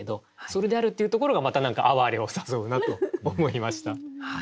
それであるっていうところがまた何かあわれを誘うなと思いました。